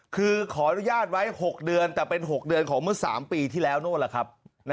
คือขออนุญาตไว้๖เดือนแต่เป็น๖เดือนของเมื่อ๓ปีที่แล้วนู่นล่ะครับ